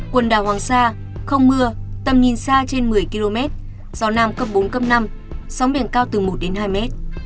quần đảo hoàng sa không mưa tầm nhìn xa trên một mươi km gió nam cấp bốn cấp năm sóng biển cao từ một đến hai mét